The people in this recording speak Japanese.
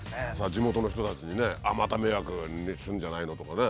地元の人たちにねまた迷惑するんじゃないの？とかね。